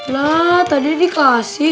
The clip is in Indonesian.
lah tadi dikasih